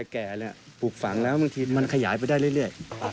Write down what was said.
แก่ปลูกฝังแล้วบางทีมันขยายไปได้เรื่อย